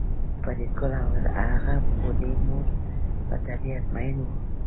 فریدګل او د هغه بوډۍ مور په طبیعت میئن وو